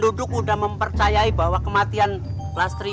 duduk sudah mempercayai bahwa kematian lastri